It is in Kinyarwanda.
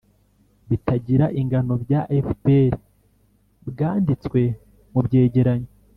bitagira ingano bya fpr bwanditswe mu byegeranyo